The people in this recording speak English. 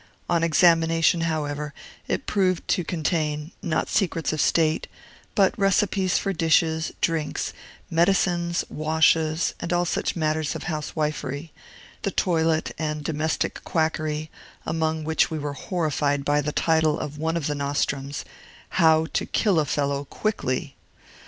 On examination, however, it proved to contain, not secrets of state, but recipes for dishes, drinks, medicines, washes, and all such matters of housewifery, the toilet, and domestic quackery, among which we were horrified by the title of one of the nostrums, "How to kill a Fellow quickly"!